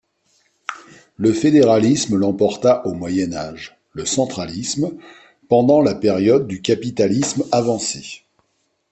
Le fédéralisme l'emporta au Moyen Âge, le centralisme pendant la période du capitalisme avancé.